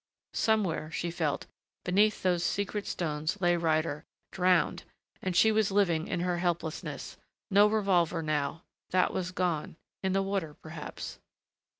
Somewhere, she felt, beneath those secret stones lay Ryder, drowned ... And she was living, in her helplessness ... No revolver now. That was gone ... in the water, perhaps....